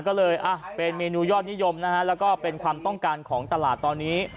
ก็เลยเป็นเมนูยอดนิยมนะฮะแล้วก็เป็นความต้องการของตลาดตอนนี้